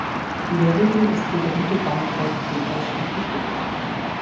In der Regel ist hier der Mittelbahnsteig für den Ausstieg bestimmt.